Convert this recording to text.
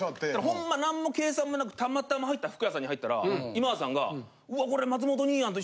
ほんま何の計算もなくたまたま入った服屋さんに入ったら今田さんが「うわこれ」。